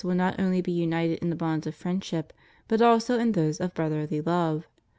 will not only be united in the bonds of friendship, but also in those of brotherly love.